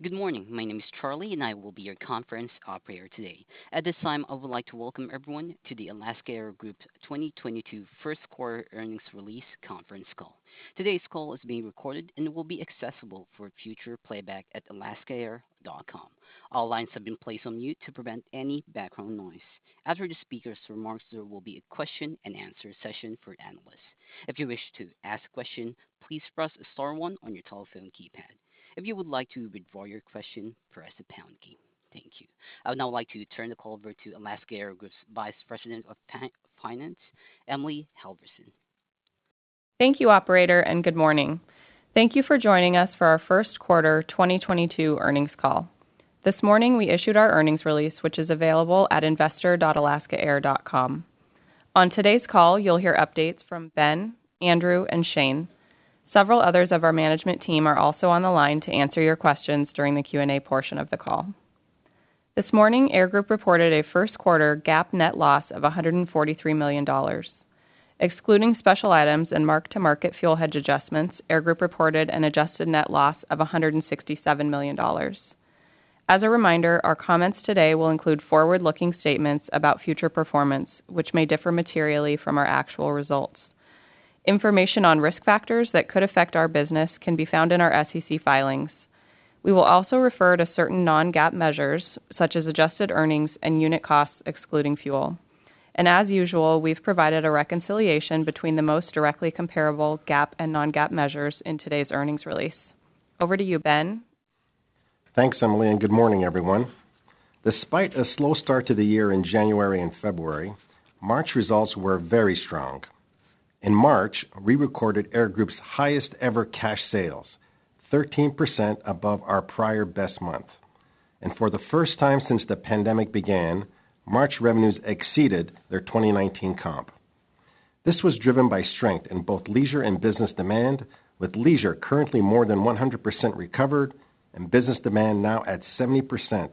Good morning. My name is Charlie, and I will be your conference operator today. At this time, I would like to welcome everyone to the Alaska Air Group's 2022 first quarter earnings release conference call. Today's call is being recorded and will be accessible for future playback at alaskaair.com. All lines have been placed on mute to prevent any background noise. After the speakers' remarks, there will be a question-and-answer session for analysts. If you wish to ask a question, please press star one on your telephone keypad. If you would like to withdraw your question, press the pound key. Thank you. I would now like to turn the call over to Alaska Air Group's Vice President of Finance, Emily Halverson. Thank you, operator, and good morning. Thank you for joining us for our first quarter 2022 earnings call. This morning, we issued our earnings release, which is available at investor.alaskaair.com. On today's call, you'll hear updates from Ben, Andrew, and Shane. Several others of our management team are also on the line to answer your questions during the Q&A portion of the call. This morning, Air Group reported a first quarter GAAP net loss of $143 million. Excluding special items and mark-to-market fuel hedge adjustments, Air Group reported an adjusted net loss of $167 million. As a reminder, our comments today will include forward-looking statements about future performance, which may differ materially from our actual results. Information on risk factors that could affect our business can be found in our SEC filings. We will also refer to certain non-GAAP measures, such as adjusted earnings and unit costs, excluding fuel. As usual, we've provided a reconciliation between the most directly comparable GAAP and non-GAAP measures in today's earnings release. Over to you, Ben. Thanks, Emily, and good morning, everyone. Despite a slow start to the year in January and February, March results were very strong. In March, we recorded Alaska Air Group's highest ever cash sales, 13% above our prior best month. For the first time since the pandemic began, March revenues exceeded their 2019 comp. This was driven by strength in both leisure and business demand, with leisure currently more than 100% recovered and business demand now at 70%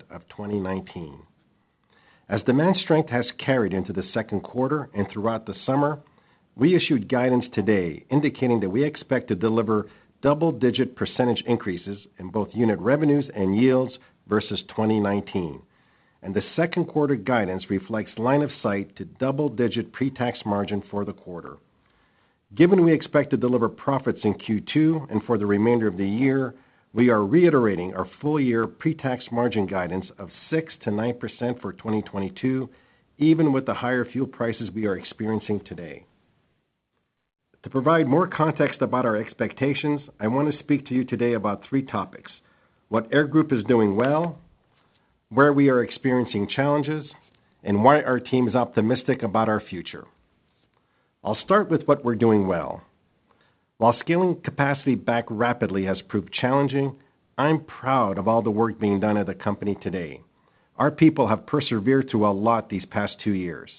of 2019. As demand strength has carried into the second quarter and throughout the summer, we issued guidance today indicating that we expect to deliver double-digit percentage increases in both unit revenues and yields versus 2019. The second quarter guidance reflects line of sight to double-digit pre-tax margin for the quarter. Given we expect to deliver profits in Q2 and for the remainder of the year, we are reiterating our full-year pre-tax margin guidance of 6%-9% for 2022, even with the higher fuel prices we are experiencing today. To provide more context about our expectations, I want to speak to you today about three topics. What Air Group is doing well, where we are experiencing challenges, and why our team is optimistic about our future. I'll start with what we're doing well. While scaling capacity back rapidly has proved challenging, I'm proud of all the work being done at the company today. Our people have persevered through a lot these past two years.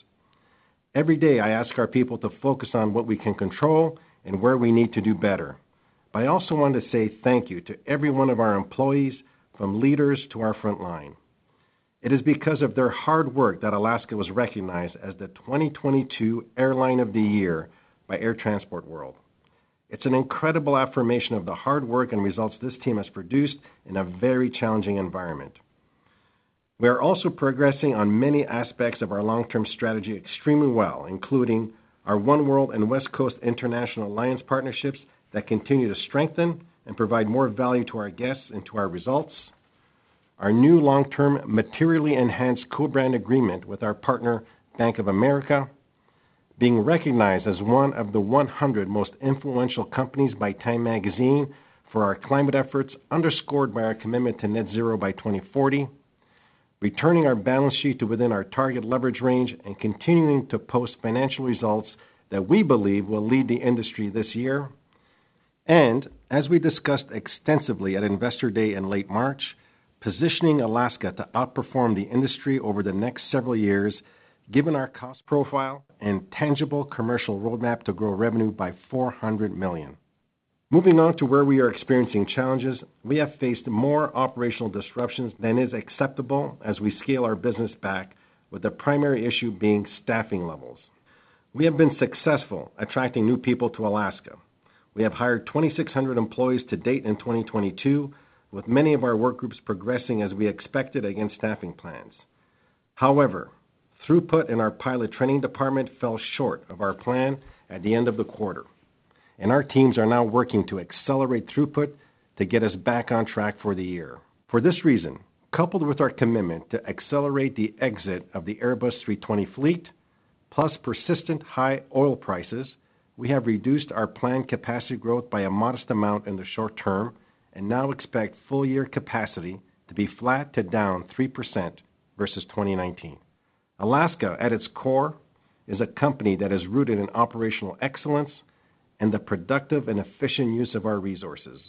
Every day, I ask our people to focus on what we can control and where we need to do better. I also want to say thank you to every one of our employees, from leaders to our frontline. It is because of their hard work that Alaska was recognized as the 2022 Airline of the Year by Air Transport World. It's an incredible affirmation of the hard work and results this team has produced in a very challenging environment. We are also progressing on many aspects of our long-term strategy extremely well, including our oneworld and West Coast international alliance partnerships that continue to strengthen and provide more value to our guests and to our results, our new long-term materially enhanced co-brand agreement with our partner, Bank of America, being recognized as one of the 100 most influential companies by Time magazine for our climate efforts underscored by our commitment to net zero by 2040, returning our balance sheet to within our target leverage range and continuing to post financial results that we believe will lead the industry this year, and as we discussed extensively at Investor Day in late March, positioning Alaska to outperform the industry over the next several years given our cost profile and tangible commercial roadmap to grow revenue by $400 million. Moving on to where we are experiencing challenges, we have faced more operational disruptions than is acceptable as we scale our business back, with the primary issue being staffing levels. We have been successful attracting new people to Alaska. We have hired 2,600 employees to date in 2022, with many of our work groups progressing as we expected against staffing plans. However, throughput in our pilot training department fell short of our plan at the end of the quarter, and our teams are now working to accelerate throughput to get us back on track for the year. For this reason, coupled with our commitment to accelerate the exit of the Airbus A320 fleet, plus persistent high oil prices, we have reduced our planned capacity growth by a modest amount in the short term and now expect full-year capacity to be flat to down 3% versus 2019. Alaska, at its core, is a company that is rooted in operational excellence and the productive and efficient use of our resources.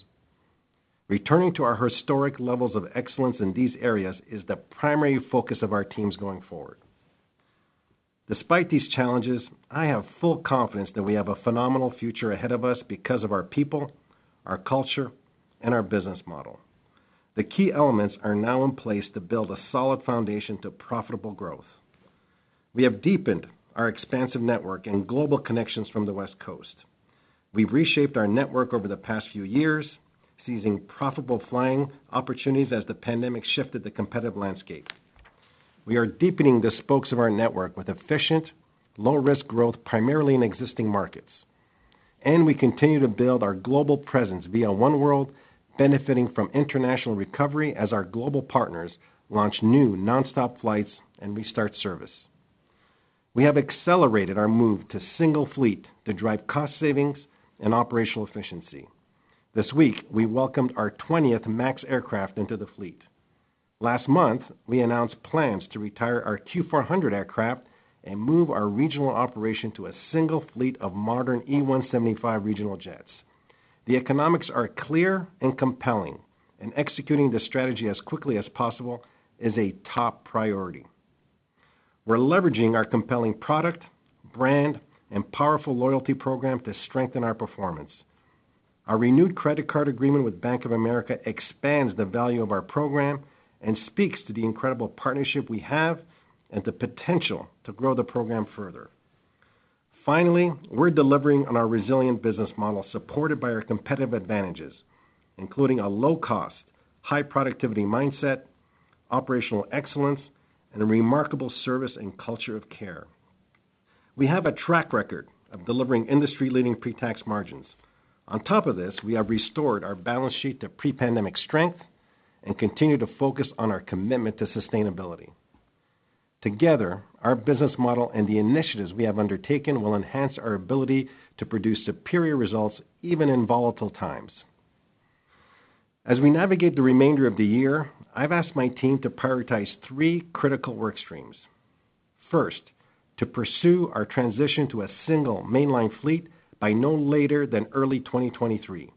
Returning to our historic levels of excellence in these areas is the primary focus of our teams going forward. Despite these challenges, I have full confidence that we have a phenomenal future ahead of us because of our people, our culture, and our business model. The key elements are now in place to build a solid foundation to profitable growth. We have deepened our expansive network and global connections from the West Coast. We've reshaped our network over the past few years, seizing profitable flying opportunities as the pandemic shifted the competitive landscape. We are deepening the spokes of our network with efficient, low-risk growth, primarily in existing markets. We continue to build our global presence via oneworld, benefiting from international recovery as our global partners launch new nonstop flights and restart service. We have accelerated our move to single fleet to drive cost savings and operational efficiency. This week, we welcomed our 20th MAX aircraft into the fleet. Last month, we announced plans to retire our Q400 aircraft and move our regional operation to a single fleet of modern E175 regional jets. The economics are clear and compelling, and executing this strategy as quickly as possible is a top priority. We're leveraging our compelling product, brand, and powerful loyalty program to strengthen our performance. Our renewed credit card agreement with Bank of America expands the value of our program and speaks to the incredible partnership we have and the potential to grow the program further. Finally, we're delivering on our resilient business model, supported by our competitive advantages, including a low-cost, high-productivity mindset, operational excellence, and a remarkable service and culture of care. We have a track record of delivering industry-leading pretax margins. On top of this, we have restored our balance sheet to pre-pandemic strength and continue to focus on our commitment to sustainability. Together, our business model and the initiatives we have undertaken will enhance our ability to produce superior results even in volatile times. As we navigate the remainder of the year, I've asked my team to prioritize three critical work streams. First, to pursue our transition to a single mainline fleet by no later than early 2023.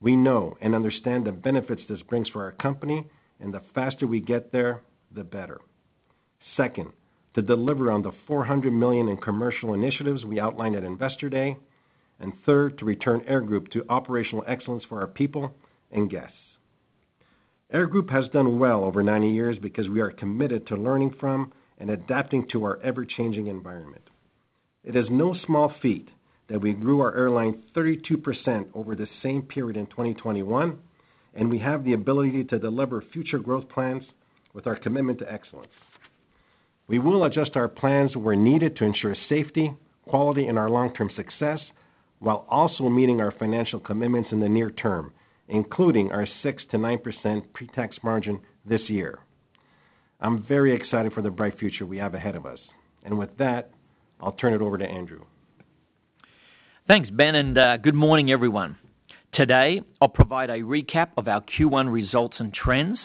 We know and understand the benefits this brings for our company, and the faster we get there, the better. Second, to deliver on the $400 million in commercial initiatives we outlined at Investor Day. Third, to return Air Group to operational excellence for our people and guests. Air Group has done well over 90 years because we are committed to learning from and adapting to our ever-changing environment. It is no small feat that we grew our airline 32% over the same period in 2021, and we have the ability to deliver future growth plans with our commitment to excellence. We will adjust our plans where needed to ensure safety, quality, and our long-term success while also meeting our financial commitments in the near term, including our 6%-9% pretax margin this year. I'm very excited for the bright future we have ahead of us. With that, I'll turn it over to Andrew. Thanks, Ben, and good morning, everyone. Today, I'll provide a recap of our Q1 results and trends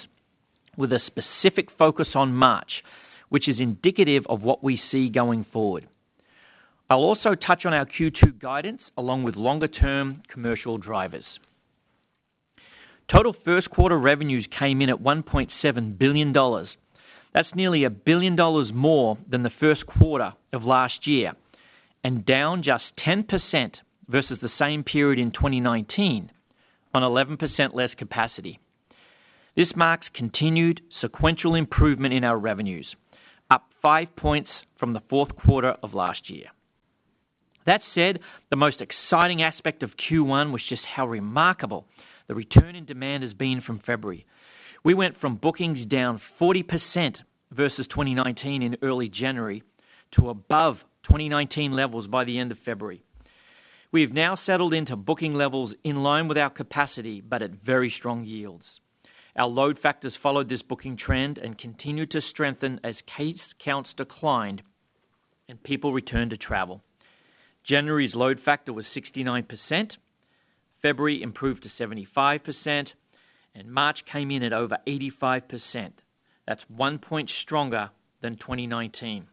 with a specific focus on March, which is indicative of what we see going forward. I'll also touch on our Q2 guidance along with longer-term commercial drivers. Total first quarter revenues came in at $1.7 billion. That's nearly $1 billion more than the first quarter of last year and down just 10% versus the same period in 2019 on 11% less capacity. This marks continued sequential improvement in our revenues, up 5points from the fourth quarter of last year. That said, the most exciting aspect of Q1 was just how remarkable the return in demand has been from February. We went from bookings down 40% versus 2019 in early January to above 2019 levels by the end of February. We have now settled into booking levels in line with our capacity but at very strong yields. Our load factors followed this booking trend and continued to strengthen as case counts declined and people returned to travel. January's load factor was 69%, February improved to 75%, and March came in at over 85%. That's 1 point stronger than 2019.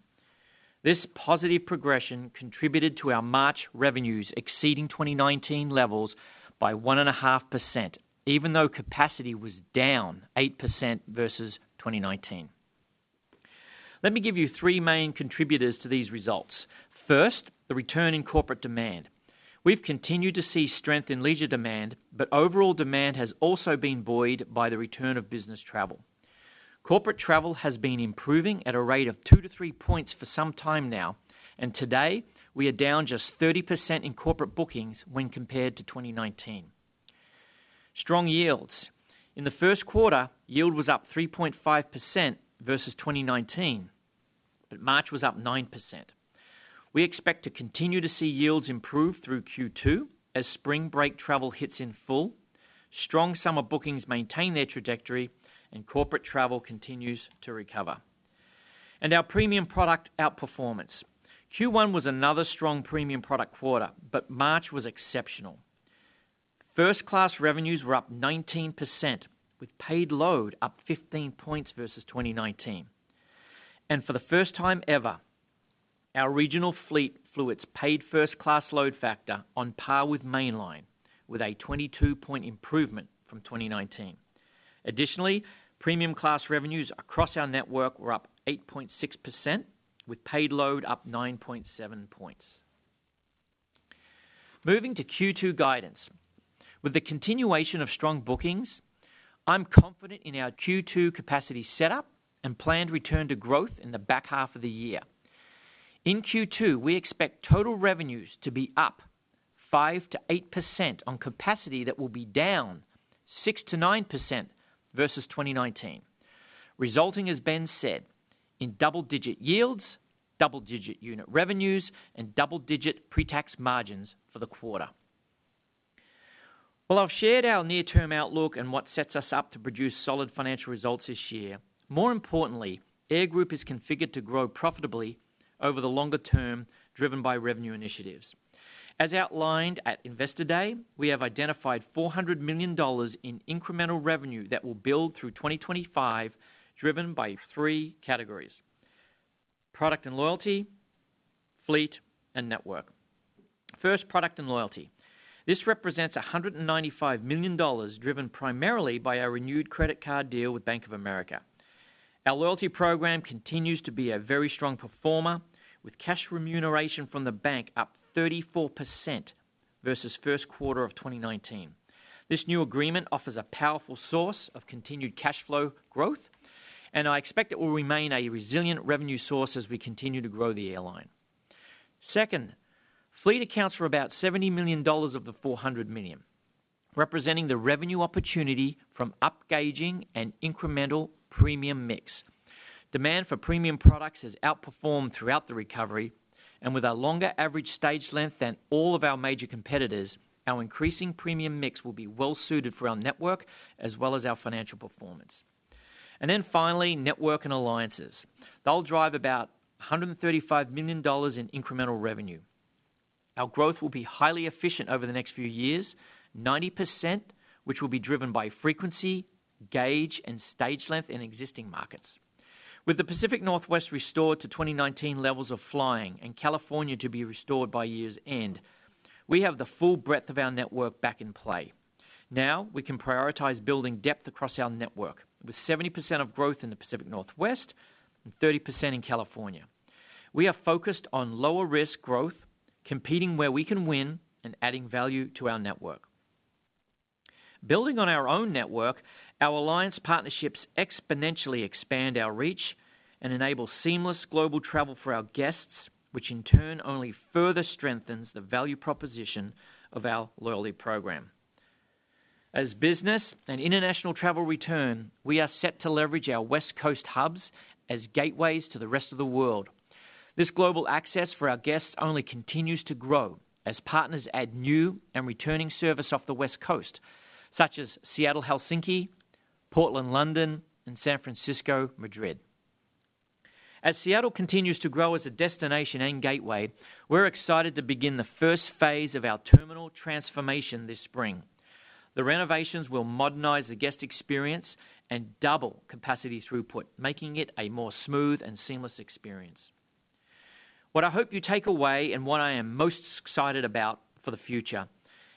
This positive progression contributed to our March revenues exceeding 2019 levels by 1.5%, even though capacity was down 8% versus 2019. Let me give you three main contributors to these results. First, the return in corporate demand. We've continued to see strength in leisure demand, but overall demand has also been buoyed by the return of business travel. Corporate travel has been improving at a rate of 2-3points for some time now, and today, we are down just 30% in corporate bookings when compared to 2019. Strong yields. In the first quarter, yield was up 3.5% versus 2019, but March was up 9%. We expect to continue to see yields improve through Q2 as spring break travel hits in full. Strong summer bookings maintain their trajectory, and corporate travel continues to recover. Our premium product outperformance. Q1 was another strong premium product quarter, but March was exceptional. First class revenues were up 19%, with paid load up 15 points versus 2019. For the first time ever, our regional fleet flew its paid first class load factor on par with mainline, with a 22-point improvement from 2019. Additionally, premium class revenues across our network were up 8.6%, with paid load up 9.7 points. Moving to Q2 guidance. With the continuation of strong bookings, I'm confident in our Q2 capacity setup and planned return to growth in the back half of the year. In Q2, we expect total revenues to be up 5%-8% on capacity that will be down 6%-9% versus 2019, resulting, as Ben said, in double-digit yields, double-digit unit revenues, and double-digit pre-tax margins for the quarter. While I've shared our near-term outlook and what sets us up to produce solid financial results this year, more importantly, Air Group is configured to grow profitably over the longer term, driven by revenue initiatives. As outlined at Investor Day, we have identified $400 million in incremental revenue that will build through 2025, driven by three categories, product and loyalty, fleet, and network. First, product and loyalty. This represents $195 million, driven primarily by our renewed credit card deal with Bank of America. Our loyalty program continues to be a very strong performer, with cash remuneration from the bank up 34% versus first quarter of 2019. This new agreement offers a powerful source of continued cash flow growth, and I expect it will remain a resilient revenue source as we continue to grow the airline. Second, fleet accounts for about $70 million of the $400 million, representing the revenue opportunity from upgauging an incremental premium mix. Demand for premium products has outperformed throughout the recovery, and with our longer average stage length than all of our major competitors, our increasing premium mix will be well suited for our network as well as our financial performance. Finally, network and alliances. They'll drive about $135 million in incremental revenue. Our growth will be highly efficient over the next few years, 90% which will be driven by frequency, gauge, and stage length in existing markets. With the Pacific Northwest restored to 2019 levels of flying and California to be restored by year's end, we have the full breadth of our network back in play. Now we can prioritize building depth across our network with 70% of growth in the Pacific Northwest and 30% in California. We are focused on lower risk growth, competing where we can win, and adding value to our network. Building on our own network, our alliance partnerships exponentially expand our reach and enable seamless global travel for our guests, which in turn only further strengthens the value proposition of our loyalty program. As business and international travel return, we are set to leverage our West Coast hubs as gateways to the rest of the world. This global access for our guests only continues to grow as partners add new and returning service off the West Coast such as Seattle-Helsinki, Portland-London, and San Francisco-Madrid. As Seattle continues to grow as a destination and gateway, we're excited to begin the first phase of our terminal transformation this spring. The renovations will modernize the guest experience and double capacity throughput, making it a more smooth and seamless experience. What I hope you take away and what I am most excited about for the future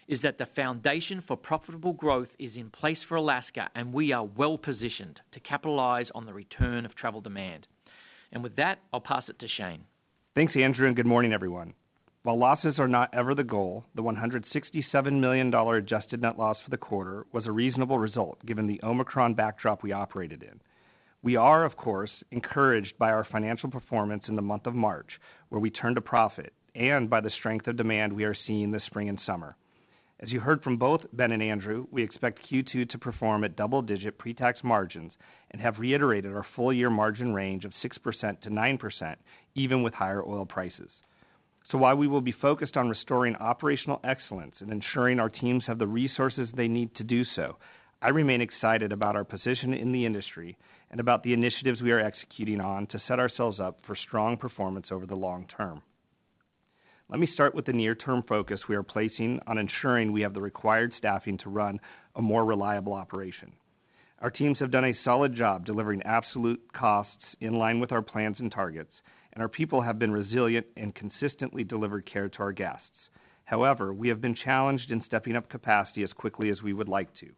is that the foundation for profitable growth is in place for Alaska, and we are well-positioned to capitalize on the return of travel demand. With that, I'll pass it to Shane. Thanks, Andrew, and good morning, everyone. While losses are not ever the goal, the $167 million adjusted net loss for the quarter was a reasonable result given the Omicron backdrop we operated in. We are, of course, encouraged by our financial performance in the month of March, where we turned a profit, and by the strength of demand we are seeing this spring and summer. As you heard from both Ben and Andrew, we expect Q2 to perform at double-digit pre-tax margins and have reiterated our full year margin range of 6%-9%, even with higher oil prices. While we will be focused on restoring operational excellence and ensuring our teams have the resources they need to do so, I remain excited about our position in the industry and about the initiatives we are executing on to set ourselves up for strong performance over the long term. Let me start with the near-term focus we are placing on ensuring we have the required staffing to run a more reliable operation. Our teams have done a solid job delivering absolute costs in line with our plans and targets, and our people have been resilient and consistently delivered care to our guests. However, we have been challenged in stepping up capacity as quickly as we would like to.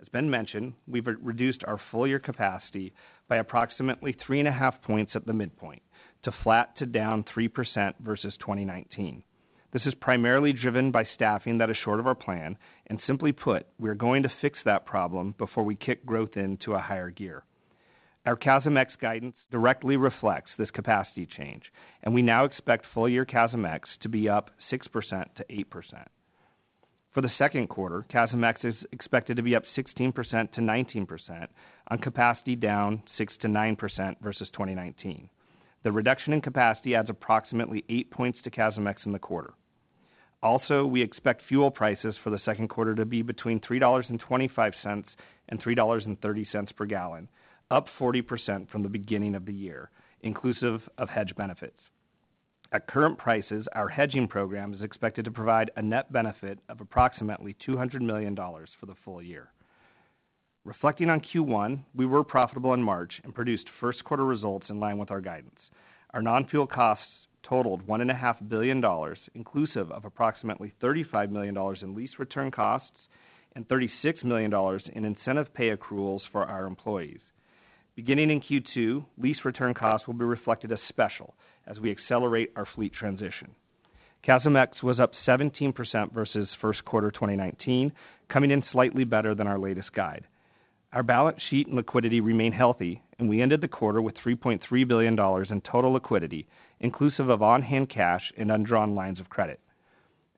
As Ben mentioned, we've reduced our full year capacity by approximately 3.5 points at the midpoint to flat to down 3% versus 2019. This is primarily driven by staffing that is short of our plan, and simply put, we are going to fix that problem before we kick growth into a higher gear. Our CASM-ex guidance directly reflects this capacity change, and we now expect full-year CASM-ex to be up 6%-8%. For the second quarter, CASM-ex is expected to be up 16%-19% on capacity down 6%-9% versus 2019. The reduction in capacity adds approximately 8 points to CASM-ex in the quarter. Also, we expect fuel prices for the second quarter to be between $3.25 and $3.30 per gallon, up 40% from the beginning of the year, inclusive of hedge benefits. At current prices, our hedging program is expected to provide a net benefit of approximately $200 million for the full year. Reflecting on Q1, we were profitable in March and produced first quarter results in line with our guidance. Our non-fuel costs totaled one and a half billion dollars, inclusive of approximately $35 million in lease return costs and $36 million in incentive pay accruals for our employees. Beginning in Q2, lease return costs will be reflected as special as we accelerate our fleet transition. CASM-ex was up 17% versus first quarter 2019, coming in slightly better than our latest guide. Our balance sheet and liquidity remain healthy, and we ended the quarter with $3.3 billion in total liquidity, inclusive of on-hand cash and undrawn lines of credit.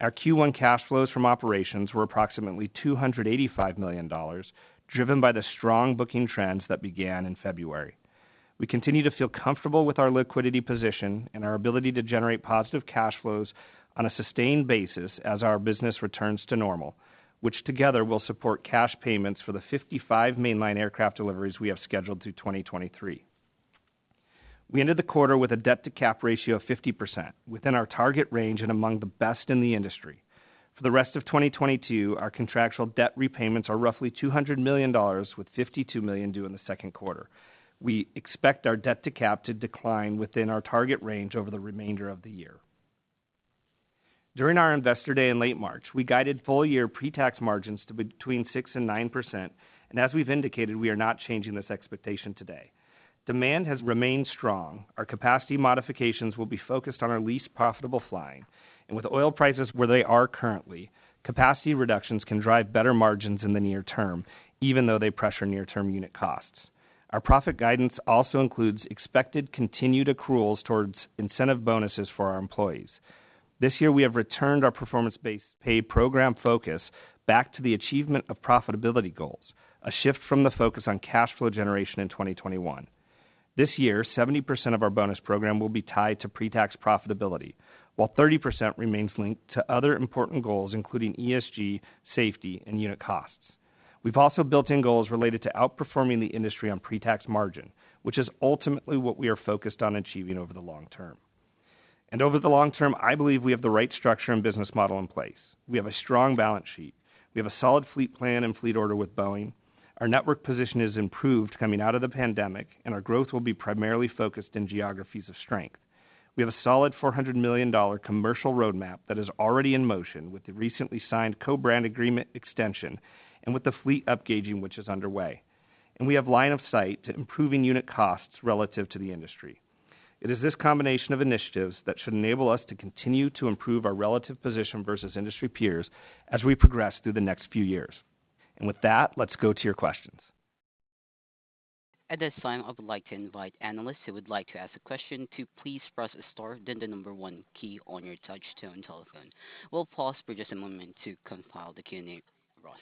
Our Q1 cash flows from operations were approximately $285 million, driven by the strong booking trends that began in February. We continue to feel comfortable with our liquidity position and our ability to generate positive cash flows on a sustained basis as our business returns to normal, which together will support cash payments for the 55 mainline aircraft deliveries we have scheduled through 2023. We ended the quarter with a debt-to-cap ratio of 50% within our target range and among the best in the industry. For the rest of 2022, our contractual debt repayments are roughly $200 million, with $52 million due in the second quarter. We expect our debt-to-cap to decline within our target range over the remainder of the year. During our Investor Day in late March, we guided full year pre-tax margins to between 6% and 9%, and as we've indicated, we are not changing this expectation today. Demand has remained strong. Our capacity modifications will be focused on our least profitable flying. With oil prices where they are currently, capacity reductions can drive better margins in the near term, even though they pressure near-term unit costs. Our profit guidance also includes expected continued accruals towards incentive bonuses for our employees. This year, we have returned our performance-based pay program focus back to the achievement of profitability goals, a shift from the focus on cash flow generation in 2021. This year, 70% of our bonus program will be tied to pre-tax profitability, while 30% remains linked to other important goals, including ESG, safety, and unit costs. We've also built in goals related to outperforming the industry on pre-tax margin, which is ultimately what we are focused on achieving over the long term. Over the long term, I believe we have the right structure and business model in place. We have a strong balance sheet. We have a solid fleet plan and fleet order with Boeing. Our network position is improved coming out of the pandemic, and our growth will be primarily focused in geographies of strength. We have a solid $400 million commercial roadmap that is already in motion with the recently signed co-brand agreement extension and with the fleet upgauging, which is underway. We have line of sight to improving unit costs relative to the industry. It is this combination of initiatives that should enable us to continue to improve our relative position versus industry peers as we progress through the next few years. With that, let's go to your questions. At this time, I would like to invite analysts who would like to ask a question to please press star, then the number one key on your touch tone telephone. We'll pause for just a moment to compile the Q&A roster.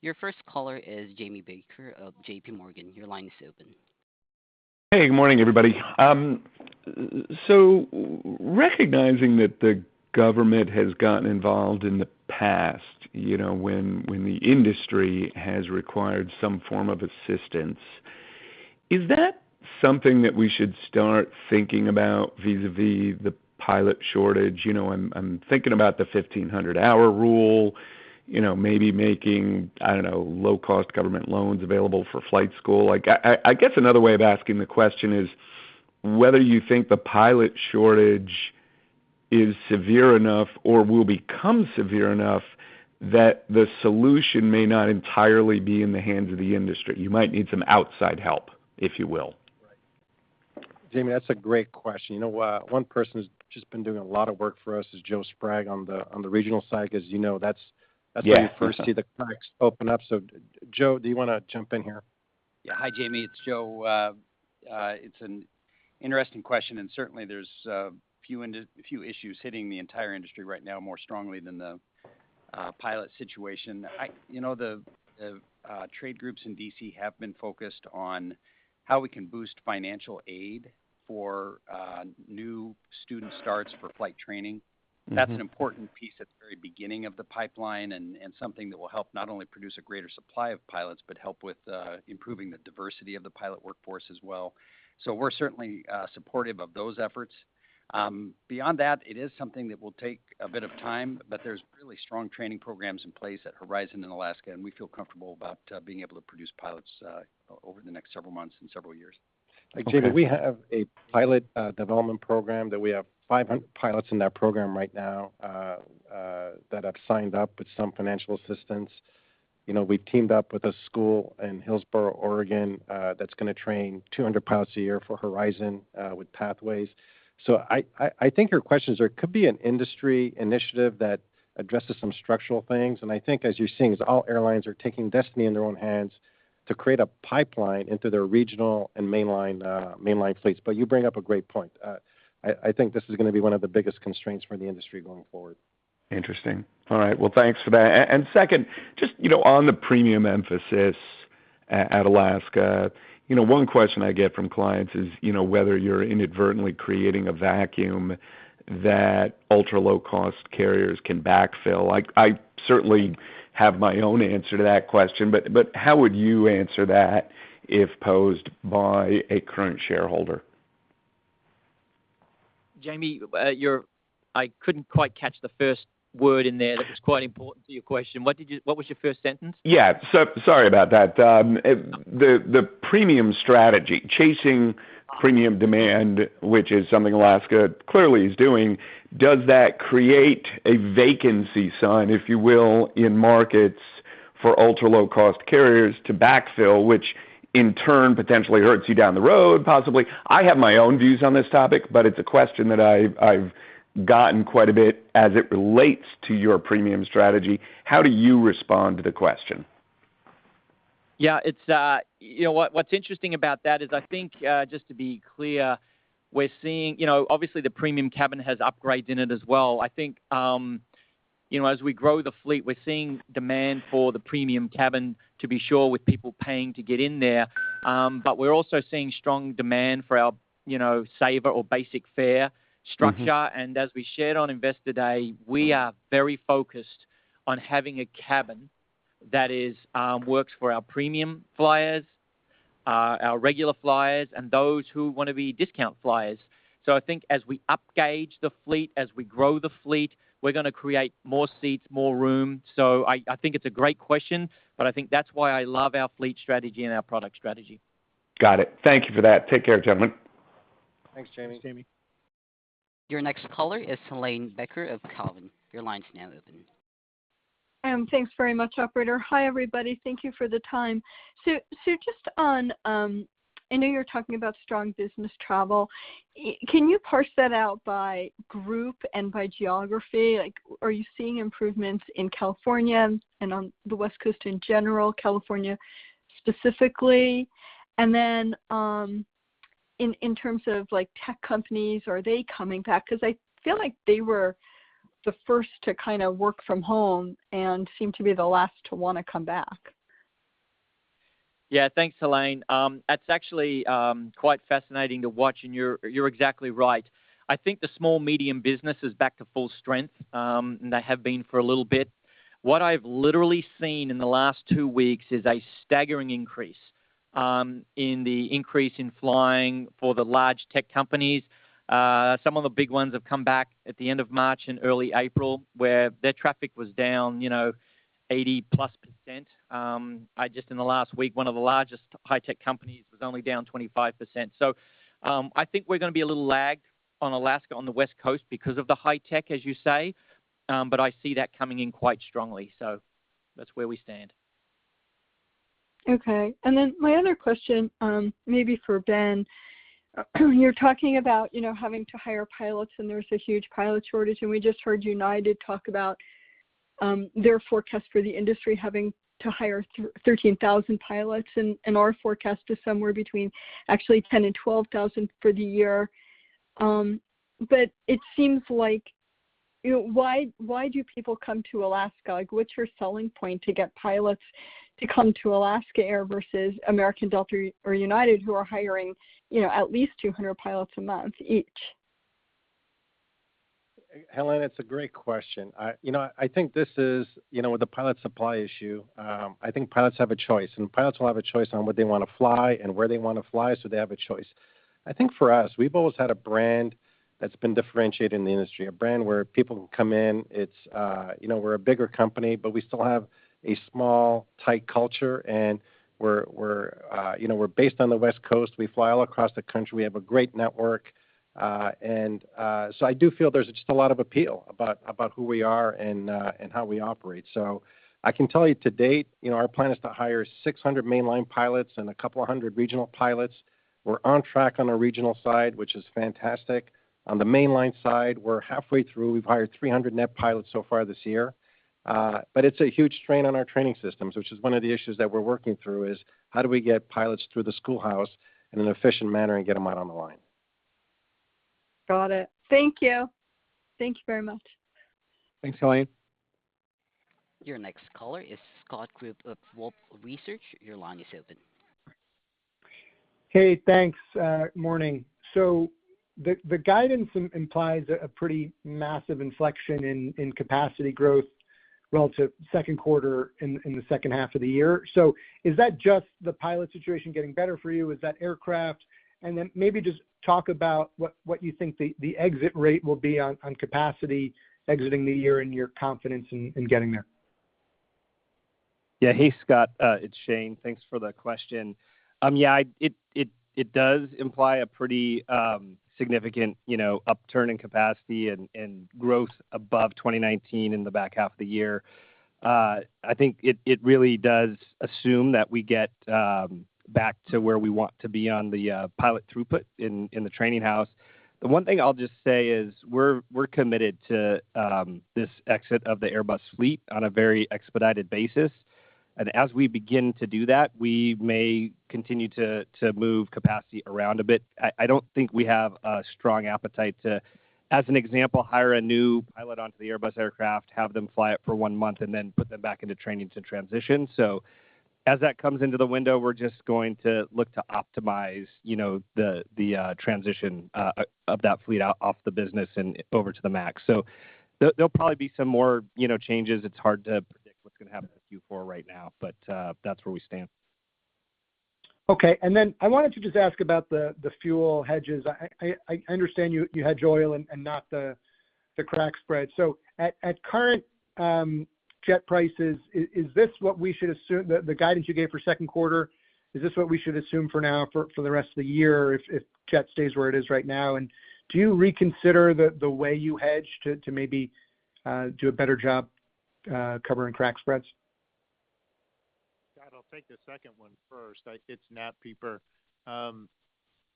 Your first caller is Jamie Baker of JPMorgan. Your line is open. Hey, good morning, everybody. Recognizing that the government has gotten involved in the past, you know, when the industry has required some form of assistance, is that something that we should start thinking about vis-a-vis the pilot shortage? You know, I'm thinking about the 1,500-hour rule, you know, maybe making, I don't know, low cost government loans available for flight school. Like, I guess another way of asking the question is whether you think the pilot shortage is severe enough or will become severe enough that the solution may not entirely be in the hands of the industry. You might need some outside help, if you will. Jamie, that's a great question. You know what, one person who's just been doing a lot of work for us is Joe Sprague on the regional side. As you know, that's Yeah. -where you first see the cracks open up. Joe, do you wanna jump in here? Yeah. Hi, Jamie, it's Joe. It's an interesting question, and certainly there's a few issues hitting the entire industry right now more strongly than the pilot situation. You know, the trade groups in D.C. have been focused on how we can boost financial aid for new student starts for flight training. Mm-hmm. That's an important piece at the very beginning of the pipeline and something that will help not only produce a greater supply of pilots, but help with improving the diversity of the pilot workforce as well. We're certainly supportive of those efforts. Beyond that, it is something that will take a bit of time, but there's really strong training programs in place at Horizon and Alaska, and we feel comfortable about being able to produce pilots over the next several months and several years. Okay. Jamie, we have a pilot development program that we have 500 pilots in that program right now that have signed up with some financial assistance. You know, we teamed up with a school in Hillsboro, Oregon, that's gonna train 200 pilots a year for Horizon with Pathways. I think your questions are could be an industry initiative that addresses some structural things, and I think as you're seeing is all airlines are taking destiny in their own hands to create a pipeline into their regional and mainline fleets. You bring up a great point. I think this is gonna be one of the biggest constraints for the industry going forward. Interesting. All right. Well, thanks for that. Second, just, you know, on the premium emphasis at Alaska, you know, one question I get from clients is, you know, whether you're inadvertently creating a vacuum that ultra-low cost carriers can backfill. Like, I certainly have my own answer to that question, but how would you answer that if posed by a current shareholder? Jamie, I couldn't quite catch the first word in there that was quite important to your question. What was your first sentence? Yeah, sorry about that. The premium strategy, chasing premium demand, which is something Alaska clearly is doing, does that create a vacancy sign, if you will, in markets For ultra-low-cost carriers to backfill, which in turn potentially hurts you down the road, possibly. I have my own views on this topic, but it's a question that I've gotten quite a bit as it relates to your premium strategy. How do you respond to the question? Yeah, it's you know what's interesting about that is I think just to be clear we're seeing. You know, obviously, the premium cabin has upgrades in it as well. I think you know as we grow the fleet we're seeing demand for the premium cabin to be sure with people paying to get in there. But we're also seeing strong demand for our you know saver or basic fare structure. Mm-hmm. As we shared on Investor Day, we are very focused on having a cabin that works for our premium flyers, our regular flyers, and those who wanna be discount flyers. I think as we upgauge the fleet, as we grow the fleet, we're gonna create more seats, more room. I think it's a great question, but I think that's why I love our fleet strategy and our product strategy. Got it. Thank you for that. Take care, gentlemen. Thanks, Jamie. Thanks, Jamie. Your next caller is Helane Becker of Cowen. Your line is now open. Thanks very much, operator. Hi, everybody. Thank you for the time. Just on, I know you're talking about strong business travel. Can you parse that out by group and by geography? Like, are you seeing improvements in California and on the West Coast in general, California specifically? And then, in terms of like tech companies, are they coming back? 'Cause I feel like they were the first to kinda work from home and seem to be the last to wanna come back. Yeah. Thanks, Helane. That's actually quite fascinating to watch, and you're exactly right. I think the small medium business is back to full strength, and they have been for a little bit. What I've literally seen in the last two weeks is a staggering increase in flying for the large tech companies. Some of the big ones have come back at the end of March and early April, where their traffic was down, you know, 80%+. I just in the last week, one of the largest high-tech companies was only down 25%. I think we're gonna be a little lagged on Alaska on the West Coast because of the high tech, as you say, but I see that coming in quite strongly. That's where we stand. Okay. Then my other question, maybe for Ben. You're talking about, you know, having to hire pilots, and there's a huge pilot shortage. We just heard United talk about their forecast for the industry having to hire 13,000 pilots, and our forecast is somewhere between actually 10,000 and 12,000 for the year. But it seems like you know, why do people come to Alaska? Like, what's your selling point to get pilots to come to Alaska Air versus American, Delta, or United, who are hiring, you know, at least 200 pilots a month each? Helane, it's a great question. You know, I think this is you know, with the pilot supply issue, I think pilots have a choice, and pilots will have a choice on what they wanna fly and where they wanna fly, so they have a choice. I think for us, we've always had a brand that's been differentiated in the industry, a brand where people can come in. You know, we're a bigger company, but we still have a small, tight culture, and we're you know, we're based on the West Coast. We fly all across the country. We have a great network. I do feel there's just a lot of appeal about who we are and how we operate. I can tell you to date, you know, our plan is to hire 600 mainline pilots and a couple of hundred regional pilots. We're on track on the regional side, which is fantastic. On the mainline side, we're halfway through. We've hired 300 net pilots so far this year. But it's a huge strain on our training systems, which is one of the issues that we're working through is how do we get pilots through the schoolhouse in an efficient manner and get them out on the line. Got it. Thank you. Thank you very much. Thanks, Helane. Your next caller is Scott Group of Wolfe Research. Your line is open. Hey, thanks. Morning. The guidance implies a pretty massive inflection in capacity growth relative second quarter in the second half of the year. Is that just the pilot situation getting better for you? Is that aircraft? Then maybe just talk about what you think the exit rate will be on capacity exiting the year and your confidence in getting there. Hey, Scott. It's Shane. Thanks for the question. It does imply a pretty significant, you know, upturn in capacity and growth above 2019 in the back half of the year. I think it really does assume that we get back to where we want to be on the pilot throughput in the training house. The one thing I'll just say is we're committed to this exit of the Airbus fleet on a very expedited basis. As we begin to do that, we may continue to move capacity around a bit. I don't think we have a strong appetite to, as an example, hire a new pilot onto the Airbus aircraft, have them fly it for one month, and then put them back into training to transition. As that comes into the window, we're just going to look to optimize, you know, the transition of that fleet out of the business and over to the MAX. There'll probably be some more, you know, changes. It's hard to predict what's gonna happen in Q4 right now, but that's where we stand. Okay. Then I wanted to just ask about the fuel hedges. I understand you hedge oil and not the crack spread. At current jet prices, is the guidance you gave for second quarter what we should assume for now for the rest of the year if jet stays where it is right now? Do you reconsider the way you hedge to maybe do a better job covering crack spreads? I'll take the second one first. It's Nathaniel Pieper.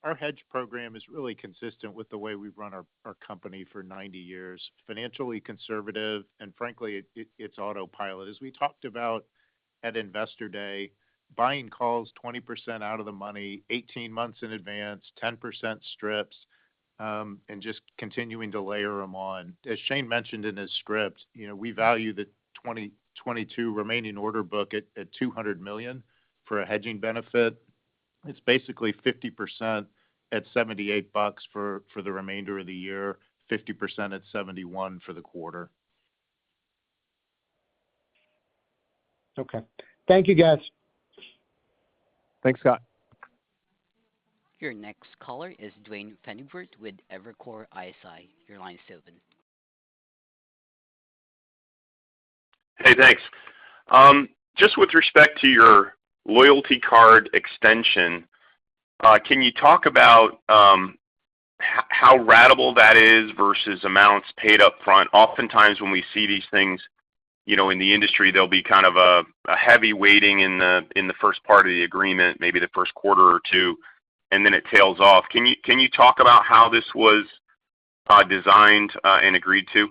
Our hedge program is really consistent with the way we've run our company for 90 years, financially conservative, and frankly, it's autopilot. As we talked about at Investor Day, buying calls 20% out of the money, 18 months in advance, 10% strips, and just continuing to layer them on. As Shane mentioned in his script, you know, we value the 2022 remaining order book at $200 million for a hedging benefit. It's basically 50% at $78 for the remainder of the year, 50% at $71 for the quarter. Okay. Thank you, guys. Thanks, Scott. Your next caller is Duane Pfennigwerth with Evercore ISI. Your line is open. Hey, thanks. Just with respect to your loyalty card extension, can you talk about how ratable that is versus amounts paid upfront? Oftentimes, when we see these things, you know, in the industry, there'll be kind of a heavy weighting in the first part of the agreement, maybe the first quarter or two, and then it tails off. Can you talk about how this was designed and agreed to?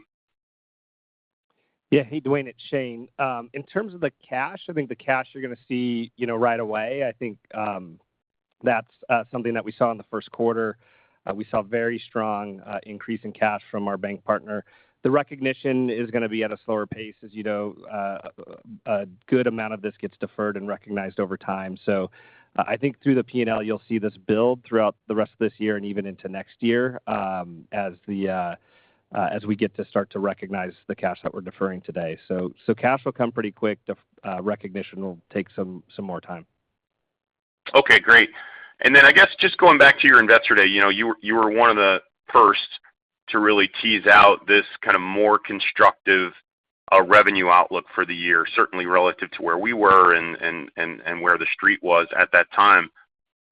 Yeah. Hey, Duane. It's Shane. In terms of the cash, I think the cash you're gonna see, you know, right away, I think, that's something that we saw in the first quarter. We saw very strong increase in cash from our bank partner. The recognition is gonna be at a slower pace. As you know, a good amount of this gets deferred and recognized over time. I think through the P&L, you'll see this build throughout the rest of this year and even into next year, as we get to start to recognize the cash that we're deferring today. Cash will come pretty quick. The recognition will take some more time. Okay, great. I guess just going back to your Investor Day, you know, you were one of the first to really tease out this kind of more constructive revenue outlook for the year, certainly relative to where we were and where the street was at that time.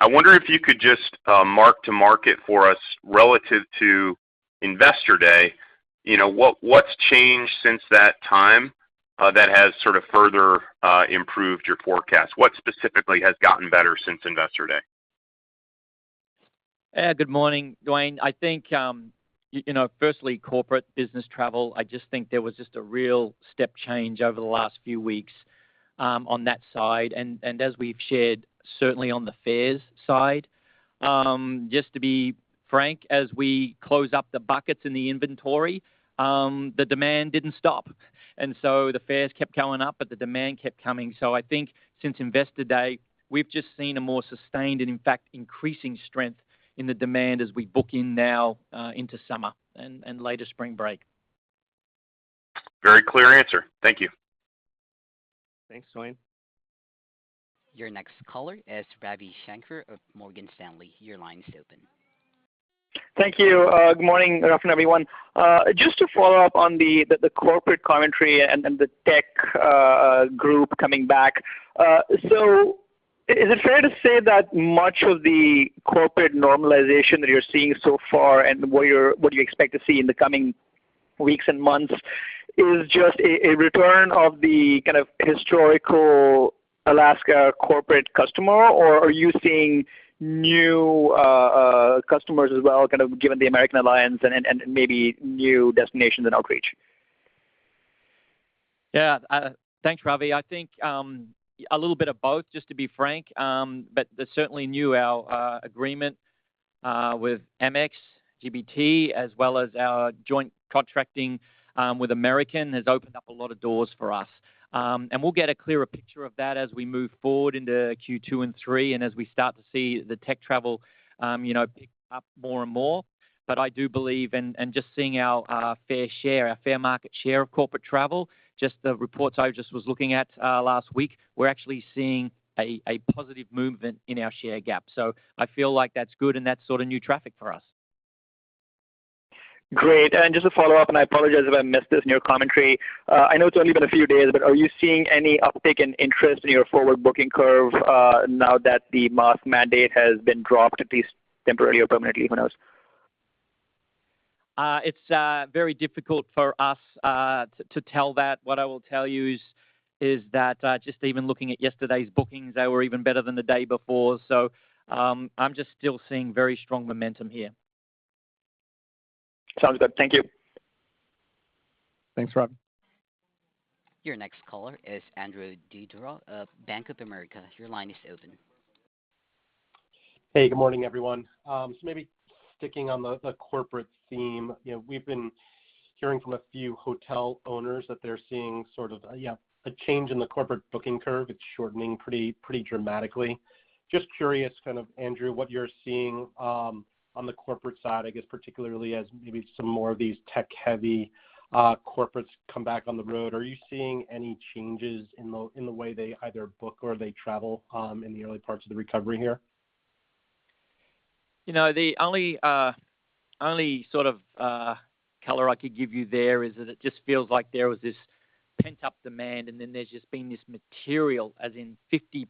I wonder if you could just mark to market for us relative to Investor Day. You know, what's changed since that time that has sort of further improved your forecast? What specifically has gotten better since Investor Day? Good morning, Duane. I think you know, firstly, corporate business travel. I just think there was just a real step change over the last few weeks on that side. As we've shared, certainly on the fares side, just to be frank, as we close up the buckets in the inventory, the demand didn't stop. The fares kept going up, but the demand kept coming. I think since Investor Day, we've just seen a more sustained and, in fact, increasing strength in the demand as we book in now into summer and later spring break. Very clear answer. Thank you. Thanks, Duane. Your next caller is Ravi Shanker of Morgan Stanley. Your line is open. Thank you. Good morning, good afternoon, everyone. Just to follow up on the corporate commentary and the tech group coming back. So is it fair to say that much of the corporate normalization that you're seeing so far and what you expect to see in the coming weeks and months is just a return of the kind of historical Alaska corporate customer, or are you seeing new customers as well, kind of given the American Airlines and maybe new destinations and outreach? Yeah. Thanks, Ravi. I think a little bit of both, just to be frank. There's certainly new agreement with Amex GBT, as well as our joint contracting with American has opened up a lot of doors for us. We'll get a clearer picture of that as we move forward into Q2 and Q3, and as we start to see the tech travel, you know, pick up more and more. I do believe and just seeing our fair share, our fair market share of corporate travel, just the reports I just was looking at last week, we're actually seeing a positive movement in our share gap. I feel like that's good and that's sort of new traffic for us. Great. Just to follow up, and I apologize if I missed this in your commentary. I know it's only been a few days, but are you seeing any uptick in interest in your forward booking curve, now that the mask mandate has been dropped, at least temporarily or permanently, who knows? It's very difficult for us to tell that. What I will tell you is that just even looking at yesterday's bookings, they were even better than the day before. I'm just still seeing very strong momentum here. Sounds good. Thank you. Thanks, Ravi. Your next caller is Andrew Didora of Bank of America. Your line is open. Hey, good morning, everyone. Maybe sticking on the corporate theme. You know, we've been hearing from a few hotel owners that they're seeing sort of a change in the corporate booking curve. It's shortening pretty dramatically. Just curious, kind of, Andrew, what you're seeing on the corporate side, I guess particularly as maybe some more of these tech-heavy corporates come back on the road. Are you seeing any changes in the way they either book or they travel in the early parts of the recovery here? You know, the only sort of color I could give you there is that it just feels like there was this pent-up demand, and then there's just been this material, as in 50%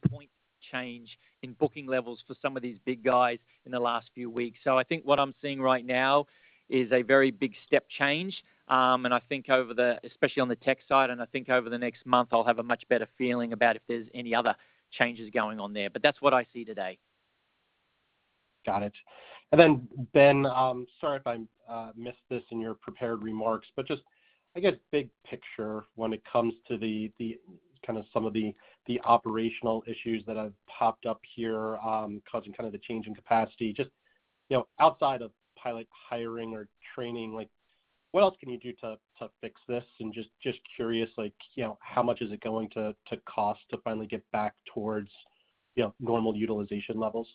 change in booking levels for some of these big guys in the last few weeks. I think what I'm seeing right now is a very big step change, and I think over there especially on the tech side, and I think over the next month I'll have a much better feeling about if there's any other changes going on there. That's what I see today. Got it. Ben, sorry if I missed this in your prepared remarks, but just I guess big picture when it comes to the kind of some of the operational issues that have popped up here, causing kind of the change in capacity, just, you know, outside of pilot hiring or training, like what else can you do to fix this? Just curious, like, you know, how much is it going to cost to finally get back towards, you know, normal utilization levels?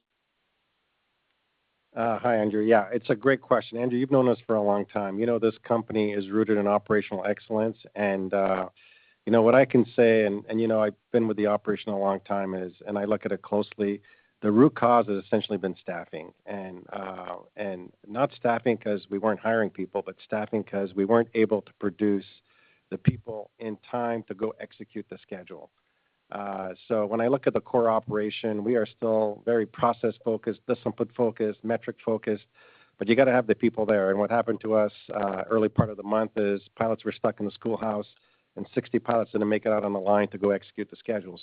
Hi, Andrew. Yeah, it's a great question. Andrew, you've known us for a long time. You know this company is rooted in operational excellence and, you know what I can say, and you know, I've been with the operation a long time, and I look at it closely. The root cause has essentially been staffing, and not staffing 'cause we weren't hiring people, but staffing 'cause we weren't able to produce the people in time to go execute the schedule. So when I look at the core operation, we are still very process-focused, discipline-focused, metric-focused, but you gotta have the people there. What happened to us early in the month is pilots were stuck in the schoolhouse, and 60 pilots didn't make it out on the line to go execute the schedule.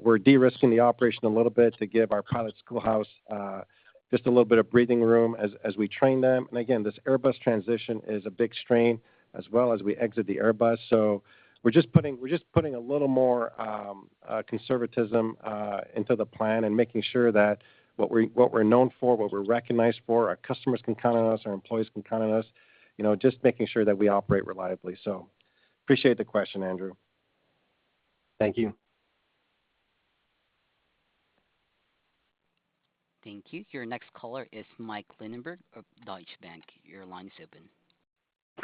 We're de-risking the operation a little bit to give our pilot schoolhouse just a little bit of breathing room as we train them. Again, this Airbus transition is a big strain as well as we exit the Airbus. We're just putting a little more conservatism into the plan and making sure that what we're known for, what we're recognized for, our customers can count on us, our employees can count on us, you know, just making sure that we operate reliably. Appreciate the question, Andrew. Thank you. Thank you. Your next caller is Mike Linenberg of Deutsche Bank. Your line is open.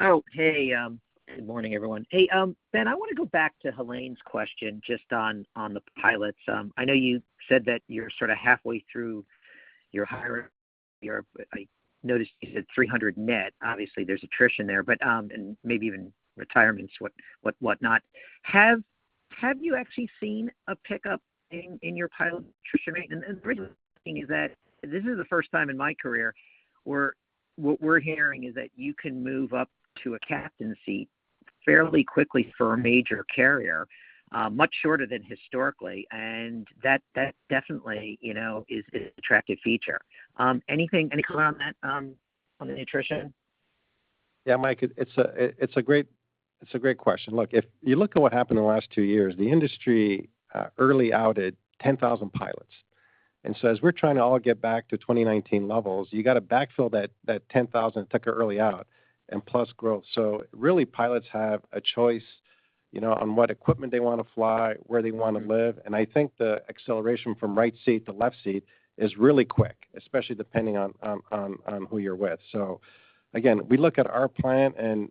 Oh, hey. Good morning, everyone. Hey, Ben, I wanna go back to Helane's question just on the pilots. I know you said that you're sort of halfway through your hiring. I noticed you said 300 net. Obviously, there's attrition there, but and maybe even retirements, whatnot. Have you actually seen a pickup in your pilot attrition rate? The reason I'm asking is that this is the first time in my career where what we're hearing is that you can move up to a captain seat fairly quickly for a major carrier, much shorter than historically. That definitely, you know, is an attractive feature. Anything, any color on that, on the attrition? Yeah, Mike, it's a great question. Look, if you look at what happened in the last two years, the industry early outed 10,000 pilots. As we're trying to all get back to 2019 levels, you gotta backfill that 10,000 that took an early out and plus growth. Really pilots have a choice, you know, on what equipment they wanna fly, where they wanna live, and I think the acceleration from right seat to left seat is really quick, especially depending on who you're with. Again, we look at our plan, and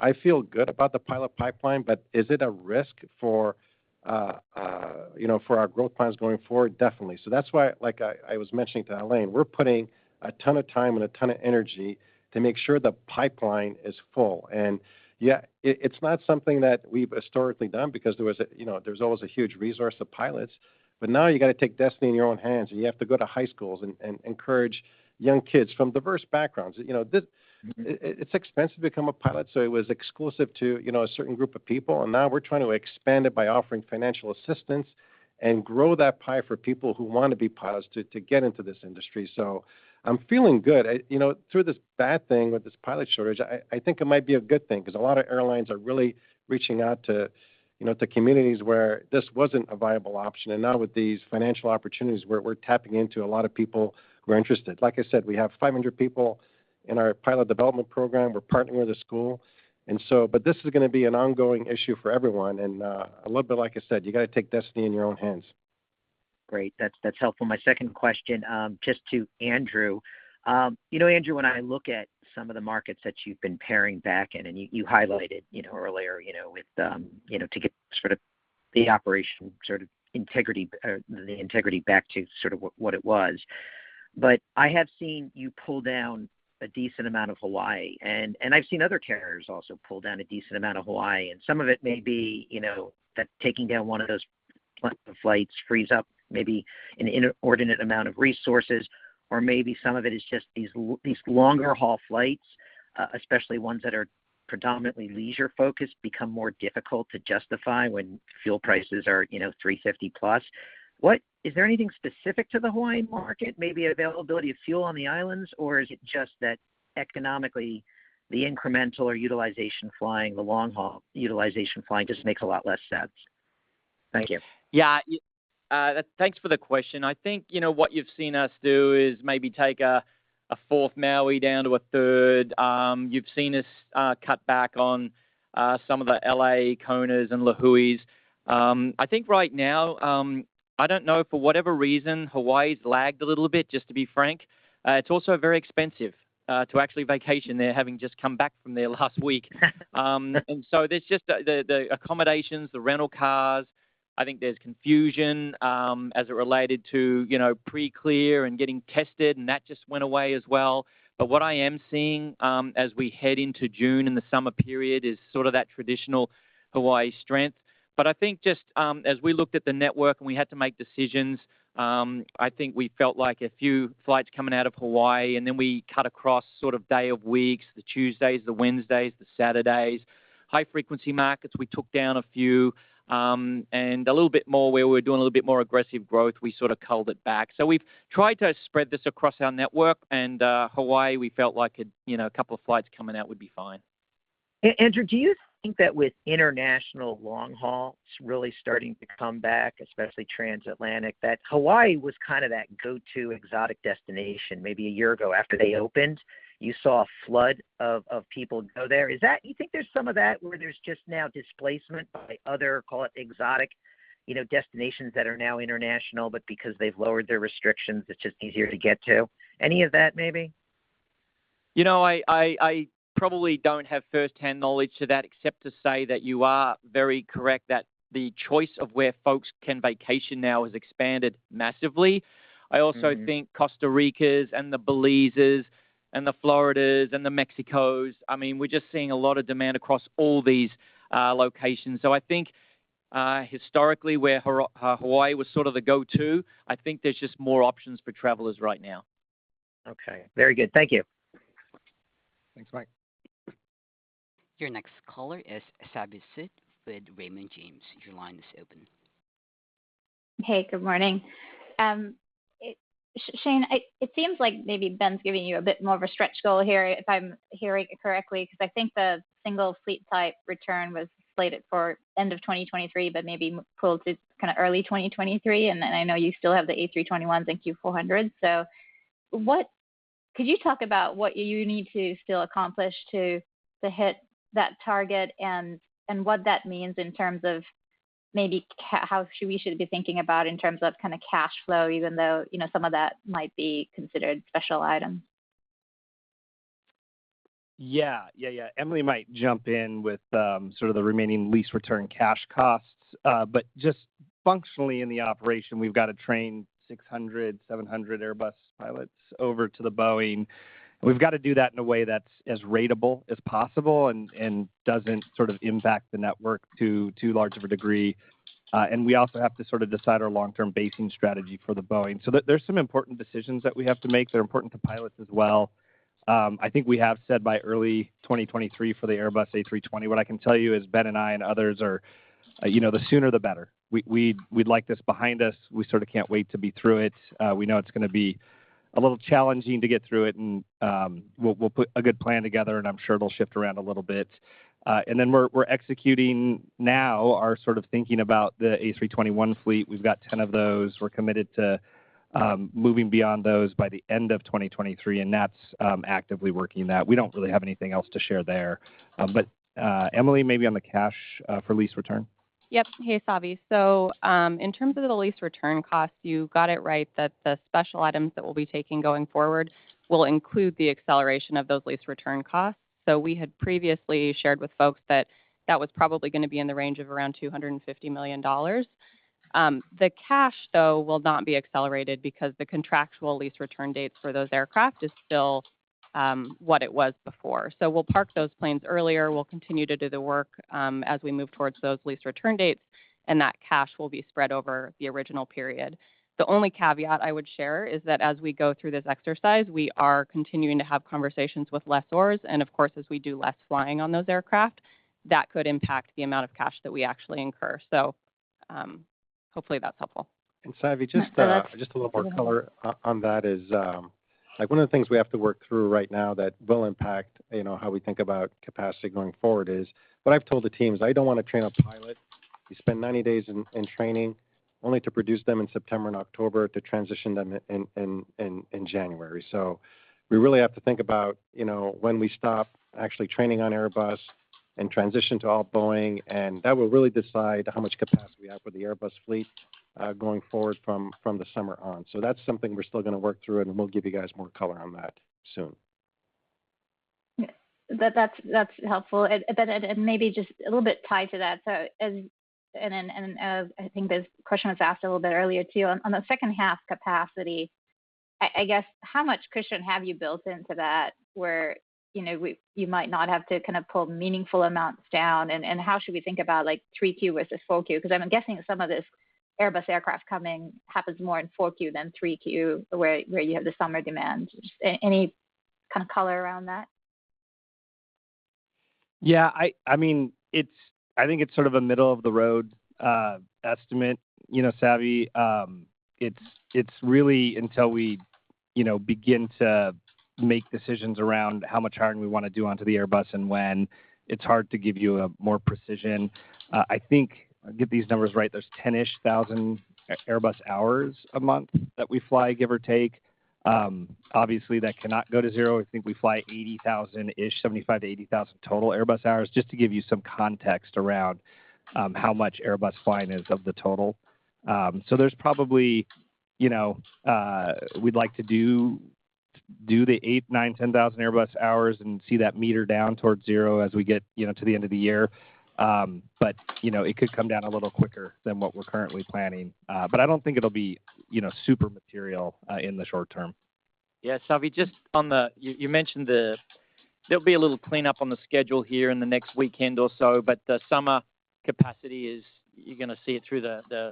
I feel good about the pilot pipeline, but is it a risk for, you know, for our growth plans going forward? Definitely. That's why, like I was mentioning to Helane, we're putting a ton of time and a ton of energy to make sure the pipeline is full. Yeah, it's not something that we've historically done because there was, you know, there's always a huge resource of pilots. Now you gotta take destiny in your own hands, and you have to go to high schools and encourage young kids from diverse backgrounds. You know, it's expensive to become a pilot, so it was exclusive to, you know, a certain group of people, and now we're trying to expand it by offering financial assistance and grow that pie for people who wanna be pilots to get into this industry. I'm feeling good. I You know, through this bad thing with this pilot shortage, I think it might be a good thing 'cause a lot of airlines are really reaching out to, you know, to communities where this wasn't a viable option. Now with these financial opportunities, we're tapping into a lot of people who are interested. Like I said, we have 500 people in our pilot development program. We're partnering with a school. But this is gonna be an ongoing issue for everyone. A little bit like I said, you gotta take destiny in your own hands. Great. That's helpful. My second question, just to Andrew. You know, Andrew, when I look at some of the markets that you've been paring back, and you highlighted, you know, earlier, you know, to get sort of the operational sort of integrity, the integrity back to sort of what it was. But I have seen you pull down a decent amount of Hawaii, and I've seen other carriers also pull down a decent amount of Hawaii. Some of it may be, you know, that taking down one of those flights frees up maybe an inordinate amount of resources, or maybe some of it is just these longer haul flights, especially ones that are predominantly leisure-focused, become more difficult to justify when fuel prices are, you know, $3.50+. Is there anything specific to the Hawaii market, maybe availability of fuel on the islands, or is it just that economically the incremental or utilization flying the long haul just makes a lot less sense? Thank you. Yeah. Thanks for the question. I think, you know, what you've seen us do is maybe take a fourth Maui down to a third. You've seen us cut back on some of the L.A. Kona and Lihue. I think right now, I don't know, for whatever reason, Hawaii's lagged a little bit, just to be frank. It's also very expensive to actually vacation there, having just come back from there last week. There's just the accommodations, the rental cars. I think there's confusion as it related to, you know, pre-clear and getting tested, and that just went away as well. What I am seeing as we head into June and the summer period is sort of that traditional Hawaii strength. I think just, as we looked at the network and we had to make decisions, I think we felt like a few flights coming out of Hawaii, and then we cut across sort of days of the week, the Tuesdays, the Wednesdays, the Saturdays. High-frequency markets, we took down a few, and a little bit more where we're doing a little bit more aggressive growth, we sort of culled it back. We've tried to spread this across our network, and, Hawaii, we felt like a, you know, couple of flights coming out would be fine. Andrew, do you think that with international long haul really starting to come back, especially transatlantic, that Hawaii was kind of that go-to exotic destination maybe a year ago after they opened? You saw a flood of people go there. Is that? Do you think there's some of that where there's just now displacement by other, call it exotic, you know, destinations that are now international, but because they've lowered their restrictions, it's just easier to get to? Any of that maybe? You know, I probably don't have first-hand knowledge to that except to say that you are very correct that the choice of where folks can vacation now has expanded massively. Mm-hmm. I also think Costa Ricas and the Belizes and the Floridas and the Mexicos, I mean, we're just seeing a lot of demand across all these, locations. I think, historically where Hawaii was sort of the go-to, I think there's just more options for travelers right now. Okay. Very good. Thank you. Thanks, Mike. Your next caller is Savi Syth with Raymond James. Your line is open. Hey, good morning. Shane, it seems like maybe Ben's giving you a bit more of a stretch goal here, if I'm hearing it correctly, 'cause I think the single fleet type return was slated for end of 2023, but maybe pulled to kind of early 2023, and then I know you still have the A321s and Q400s. Could you talk about what you need to still accomplish to hit that target and what that means in terms of maybe how we should be thinking about in terms of kind of cash flow, even though, you know, some of that might be considered special items? Yeah. Emily might jump in with sort of the remaining lease return cash costs, but just functionally in the operation, we've got to train 600-700 Airbus pilots over to the Boeing. We've got to do that in a way that's as ratable as possible and doesn't sort of impact the network to too large of a degree. We also have to sort of decide our long-term basing strategy for the Boeing. There, there's some important decisions that we have to make. They're important to pilots as well. I think we have said by early 2023 for the Airbus A320. What I can tell you is Ben and I and others are, you know, the sooner the better. We'd like this behind us. We sort of can't wait to be through it. We know it's gonna be a little challenging to get through it, and we'll put a good plan together, and I'm sure it'll shift around a little bit. We're executing now our sort of thinking about the A321 fleet. We've got 10 of those. We're committed to moving beyond those by the end of 2023, and that's actively working that. We don't really have anything else to share there. Emily, maybe on the cash for lease return. Yep. Hey, Savi. In terms of the lease return costs, you got it right that the special items that we'll be taking going forward will include the acceleration of those lease return costs. We had previously shared with folks that that was probably gonna be in the range of around $250 million. The cash, though, will not be accelerated because the contractual lease return dates for those aircraft is still what it was before. We'll park those planes earlier. We'll continue to do the work as we move towards those lease return dates, and that cash will be spread over the original period. The only caveat I would share is that as we go through this exercise, we are continuing to have conversations with lessors, and of course, as we do less flying on those aircraft, that could impact the amount of cash that we actually incur. Hopefully that's helpful. Savi, just That's. Just a little more color on that is, like, one of the things we have to work through right now that will impact, you know, how we think about capacity going forward is, what I've told the teams, I don't want to train a pilot who spent 90 days in training, only to produce them in September and October to transition them in January. So we really have to think about, you know, when we stop actually training on Airbus and transition to all Boeing, and that will really decide how much capacity we have with the Airbus fleet, going forward from the summer on. So that's something we're still gonna work through, and we'll give you guys more color on that soon. Yeah. That's helpful. Maybe just a little bit tied to that. I think this question was asked a little bit earlier, too. On the second half capacity, I guess how much cushion have you built into that where, you know, you might not have to kind of pull meaningful amounts down, and how should we think about, like, 3Q versus 4Q? Because I'm guessing some of this Airbus aircraft coming happens more in 4Q than 3Q, where you have the summer demand. Just any kind of color around that? Yeah. I mean, it's sort of a middle-of-the-road estimate, you know, Savi. It's really until we begin to make decisions around how much hiring we wanna do onto the Airbus and when. It's hard to give you a more precise. I think to get these numbers right, there's 10,000-ish Airbus hours a month that we fly, give or take. Obviously, that cannot go to zero. I think we fly 80,000-ish, 75,000-80,000 total Airbus hours, just to give you some context around how much Airbus flying is of the total. We'd like to do the eight, nine, 10 thousand Airbus hours and see that meter down towards zero as we get to the end of the year. You know, it could come down a little quicker than what we're currently planning. I don't think it'll be, you know, super material, in the short term. Yeah. Savi, just on the, you mentioned there'll be a little cleanup on the schedule here in the next weekend or so, but the summer capacity, you're gonna see it through the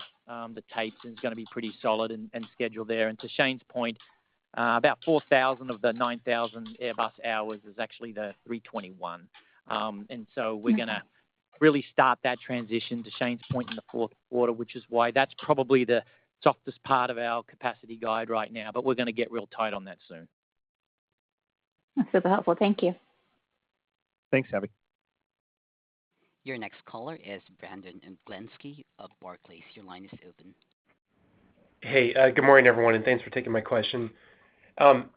tapes, and it's gonna be pretty solid and scheduled there. To Shane's point, about 4,000 of the 9,000 Airbus hours is actually the 321. We're gonna really start that transition to Shane's point in the fourth quarter, which is why that's probably the toughest part of our capacity guide right now, but we're gonna get real tight on that soon. That's super helpful. Thank you. Thanks, Savi. Your next caller is Brandon Oglenski of Barclays. Your line is open. Hey, good morning, everyone, and thanks for taking my question.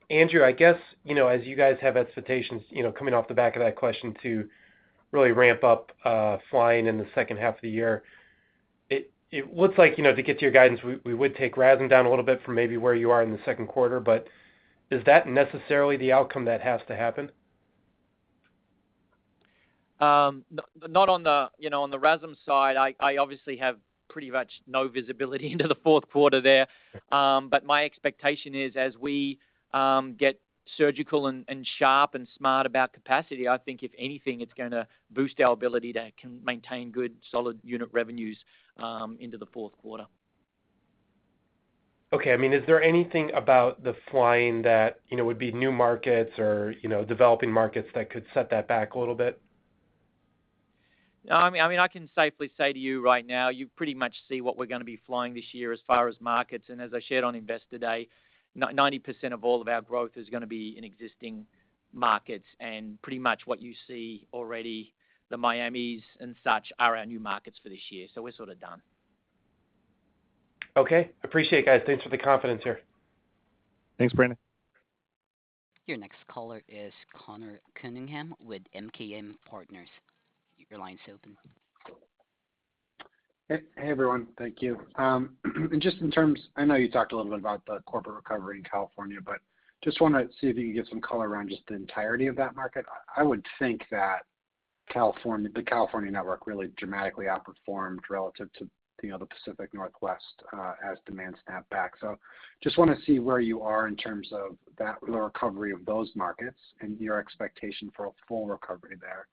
Andrew, I guess, you know, as you guys have expectations, you know, coming off the back of that question to really ramp up flying in the second half of the year, it looks like, you know, to get to your guidance, we would take RASM down a little bit from maybe where you are in the second quarter, but is that necessarily the outcome that has to happen? Not on the, you know, on the RASM side, I obviously have pretty much no visibility into the fourth quarter there. My expectation is as we get surgical and sharp and smart about capacity, I think if anything, it's gonna boost our ability to maintain good solid unit revenues into the fourth quarter. Okay. I mean, is there anything about the flying that, you know, would be new markets or, you know, developing markets that could set that back a little bit? No, I mean, I can safely say to you right now, you pretty much see what we're gonna be flying this year as far as markets. As I shared on Investor Day, 90% of all of our growth is gonna be in existing markets, and pretty much what you see already, the Miamis and such are our new markets for this year, so we're sort of done. Okay. Appreciate it, guys. Thanks for the confidence here. Thanks, Brandon. Your next caller is Conor Cunningham with MKM Partners. Your line's open. Hey. Hey, everyone. Thank you. I know you talked a little bit about the corporate recovery in California, but just wanna see if you can give some color around just the entirety of that market. I would think that California, the California network really dramatically outperformed relative to, you know, the Pacific Northwest, as demand snapped back. Just wanna see where you are in terms of that recovery of those markets and your expectation for a full recovery there.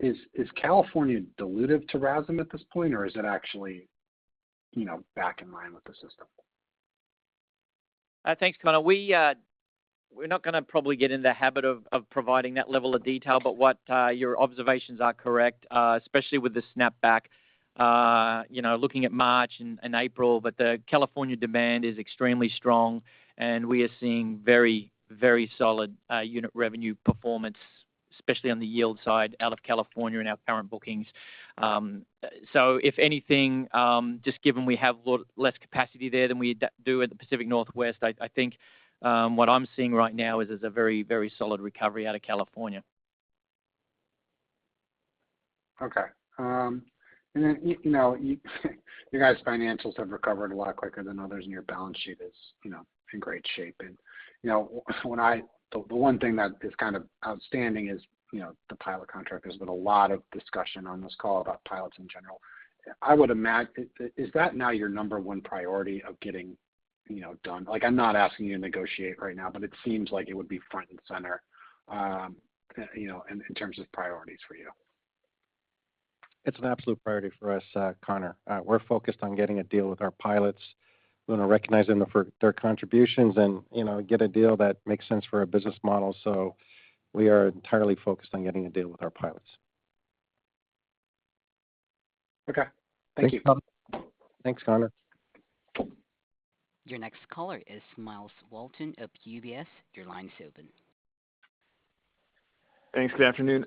Is California dilutive to RASM at this point, or is it actually, you know, back in line with the system? Thanks, Connor. We're not gonna probably get in the habit of providing that level of detail, but what your observations are correct, especially with the snapback, you know, looking at March and April. The California demand is extremely strong, and we are seeing very solid unit revenue performance, especially on the yield side out of California in our current bookings. If anything, just given we have a lot less capacity there than we do at the Pacific Northwest, I think what I'm seeing right now is a very solid recovery out of California. Okay. You know, you guys' financials have recovered a lot quicker than others, and your balance sheet is, you know, in great shape. You know, the one thing that is kind of outstanding is, you know, the pilot contract. There's been a lot of discussion on this call about pilots in general. Is that now your number one priority of getting, you know, done? Like, I'm not asking you to negotiate right now, but it seems like it would be front and center, you know, in terms of priorities for you. It's an absolute priority for us, Conor. We're focused on getting a deal with our pilots. We wanna recognize them for their contributions and, you know, get a deal that makes sense for our business model. We are entirely focused on getting a deal with our pilots. Okay. Thank you. Thanks, Connor. Your next caller is Myles Walton of UBS. Your line is open. Thanks. Good afternoon.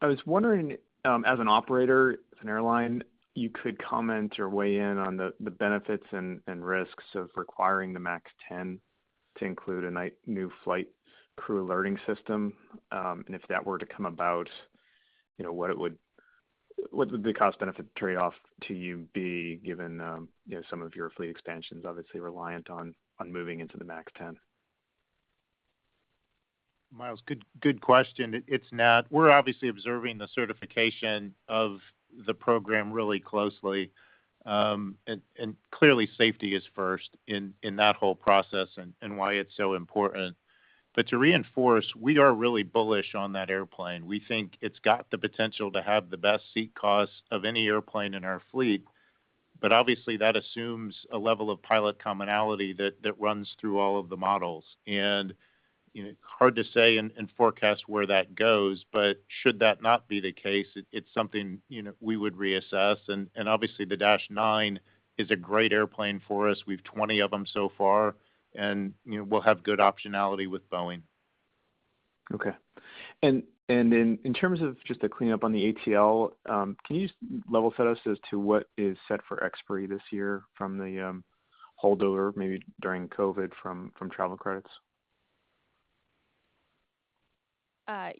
I was wondering, as an operator, as an airline, you could comment or weigh in on the benefits and risks of requiring the MAX 10 to include a new flight crew alerting system. If that were to come about, you know, what would the cost-benefit trade-off to you be given, you know, some of your fleet expansion is obviously reliant on moving into the MAX 10? Myles, good question. It's Nat. We're obviously observing the certification of the program really closely. Clearly, safety is first in that whole process and why it's so important. To reinforce, we are really bullish on that airplane. We think it's got the potential to have the best seat cost of any airplane in our fleet. Obviously, that assumes a level of pilot commonality that runs through all of the models. You know, hard to say and forecast where that goes, but should that not be the case, it's something, you know, we would reassess. Obviously, the dash nine is a great airplane for us. We've 20 of them so far, and you know, we'll have good optionality with Boeing. Okay, and in terms of just the cleanup on the ATL, can you level set us as to what is set for expiry this year from the holdover maybe during COVID from travel credits?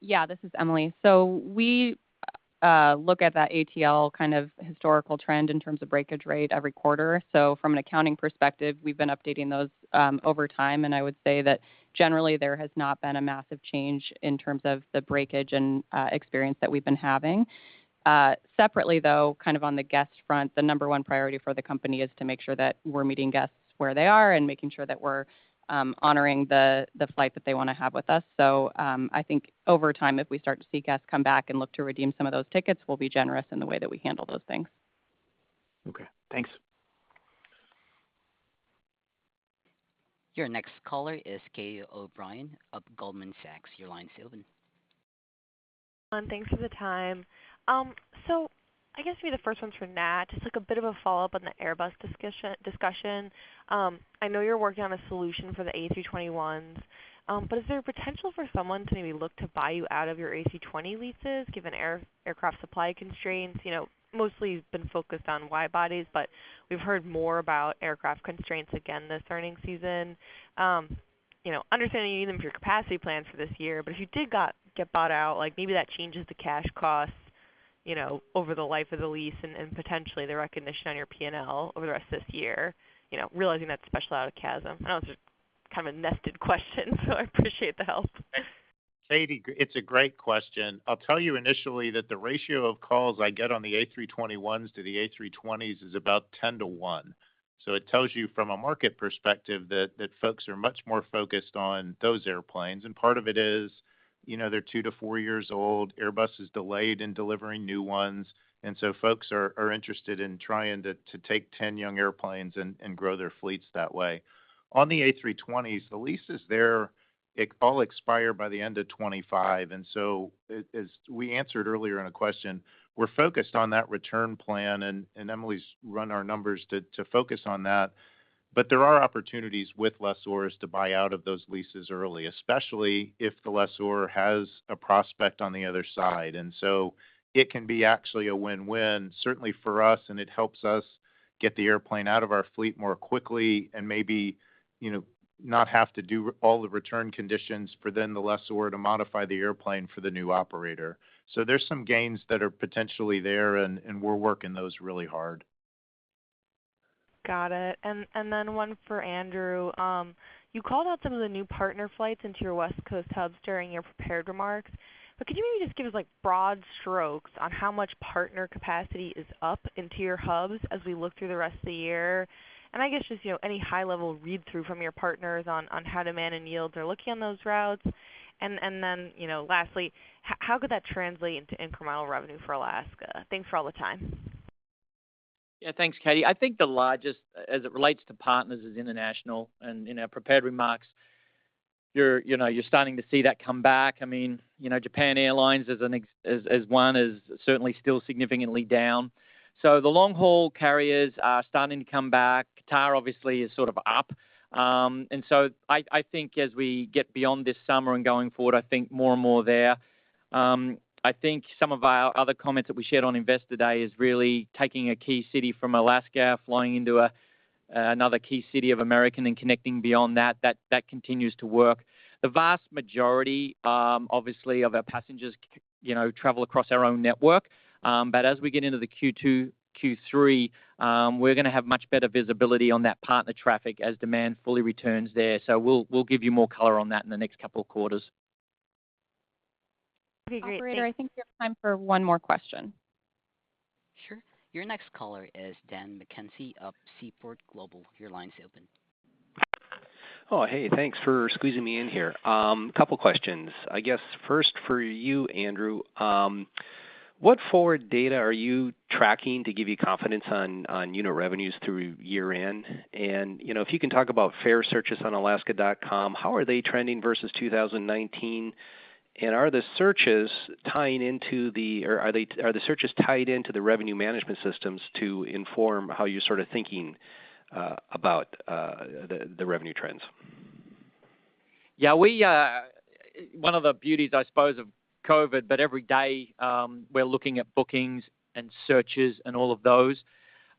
Yeah, this is Emily. We look at that ATL kind of historical trend in terms of breakage rate every quarter. From an accounting perspective, we've been updating those over time, and I would say that generally there has not been a massive change in terms of the breakage and experience that we've been having. Separately, though, kind of on the guest front, the number one priority for the company is to make sure that we're meeting guests where they are and making sure that we're honoring the flight that they wanna have with us. I think over time, if we start to see guests come back and look to redeem some of those tickets, we'll be generous in the way that we handle those things. Okay, thanks. Your next caller is Catie O'Brien of Goldman Sachs. Your line is open. Thanks for the time. I guess maybe the first one's for Nat. Just like a bit of a follow-up on the Airbus discussion. I know you're working on a solution for the A320s, but is there potential for someone to maybe look to buy you out of your A320 leases given aircraft supply constraints? You know, mostly you've been focused on wide bodies, but we've heard more about aircraft constraints again this earnings season. You know, understanding you need them for your capacity plans for this year, but if you get bought out, like maybe that changes the cash costs, you know, over the life of the lease and potentially the recognition on your P&L over the rest of this year, you know, realizing that special out of CASM. I know it's just kind of a nested question, so I appreciate the help. Catie, it's a great question. I'll tell you initially that the ratio of calls I get on the A321s to the A320s is about 10 to one. It tells you from a market perspective that folks are much more focused on those airplanes, and part of it is, you know, they're two to four years old. Airbus is delayed in delivering new ones, and so folks are interested in trying to take 10 young airplanes and grow their fleets that way. On the A320s, the leases, they all expire by the end of 2025, and so as we answered earlier in a question, we're focused on that return plan and Emily's run our numbers to focus on that. There are opportunities with lessors to buy out of those leases early, especially if the lessor has a prospect on the other side. It can be actually a win-win, certainly for us, and it helps us get the airplane out of our fleet more quickly and maybe, you know, not have to do all the return conditions for then the lessor to modify the airplane for the new operator. There's some gains that are potentially there, and we're working those really hard. Got it. One for Andrew. You called out some of the new partner flights into your West Coast hubs during your prepared remarks, but could you maybe just give us like broad strokes on how much partner capacity is up into your hubs as we look through the rest of the year? I guess just, you know, any high-level read-through from your partners on how demand and yields are looking on those routes. You know, lastly, how could that translate into incremental revenue for Alaska? Thanks for all the time. Yeah, thanks, Catie. I think the largest as it relates to partners is international, and in our prepared remarks, you know, you're starting to see that come back. I mean, you know, Japan Airlines as one is certainly still significantly down. The long-haul carriers are starting to come back. Qatar obviously is sort of up. I think as we get beyond this summer and going forward, I think more and more there. I think some of our other comments that we shared on Investor Day is really taking a key city from Alaska, flying into another key city of American and connecting beyond that continues to work. The vast majority, obviously, of our passengers you know, travel across our own network. As we get into the Q2, Q3, we're gonna have much better visibility on that partner traffic as demand fully returns there. We'll give you more color on that in the next couple of quarters. Okay, great. Thanks. Operator, I think we have time for one more question. Sure. Your next caller is Dan McKenzie of Seaport Global. Your line's open. Oh, hey, thanks for squeezing me in here. Couple questions. I guess first for you, Andrew. What forward data are you tracking to give you confidence on unit revenues through year-end? You know, if you can talk about fare searches on alaskaair.com, how are they trending versus 2019? Are the searches tied into the revenue management systems to inform how you're thinking about the revenue trends? Yeah. We, one of the beauties, I suppose, of COVID, but every day, we're looking at bookings and searches and all of those.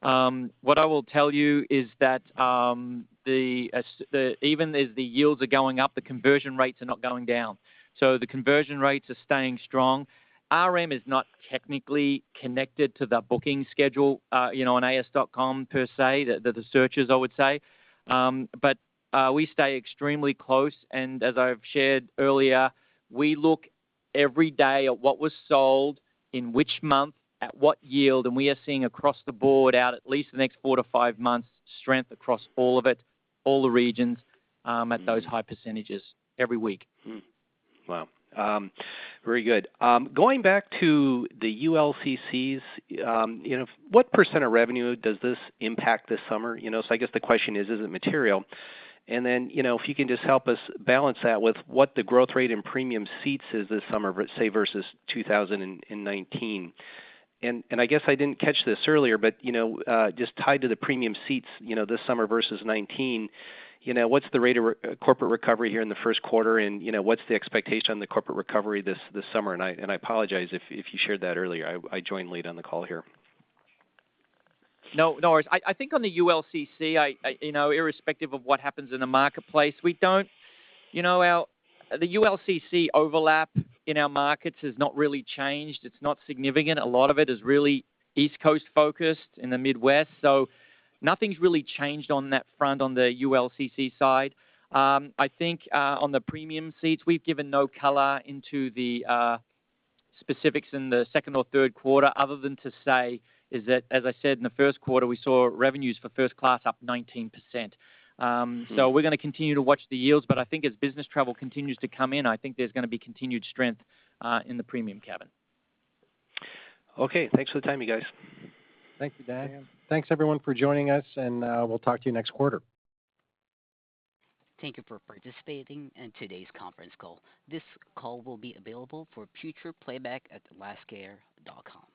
What I will tell you is that, even as the yields are going up, the conversion rates are not going down. So the conversion rates are staying strong. RM is not technically connected to the booking schedule, you know, on alaskaair.com per se, the searches, I would say. We stay extremely close, and as I've shared earlier, we look every day at what was sold, in which month, at what yield, and we are seeing across the board out at least the next four-five months, strength across all of it, all the regions. Mm-hmm. at those high percentages every week. Going back to the ULCCs, you know, what % of revenue does this impact this summer? You know, so I guess the question is it material? Then, you know, if you can just help us balance that with what the growth rate in premium seats is this summer versus 2019. I guess I didn't catch this earlier, but, you know, just tied to the premium seats, you know, this summer versus 2019, you know, what's the rate of corporate recovery here in the first quarter and, you know, what's the expectation on the corporate recovery this summer? I apologize if you shared that earlier. I joined late on the call here. No, no worries. I think on the ULCC, you know, irrespective of what happens in the marketplace, you know, our ULCC overlap in our markets has not really changed. It's not significant. A lot of it is really East Coast focused and the Midwest, so nothing's really changed on that front on the ULCC side. I think on the premium seats, we've given no color into the specifics in the second or third quarter other than to say that, as I said in the first quarter, we saw revenues for first class up 19%. Mm-hmm. We're gonna continue to watch the yields, but I think as business travel continues to come in, I think there's gonna be continued strength in the premium cabin. Okay. Thanks for the time, you guys. Thank you, Daniel. Thanks everyone for joining us, and we'll talk to you next quarter. Thank you for participating in today's conference call. This call will be available for future playback at alaskaair.com.